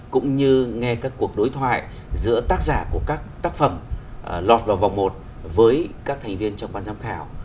cũng như nghe các cuộc đối thoại giữa tác giả của các tác phẩm lọt vào vòng một với các thành viên trong ban giám khảo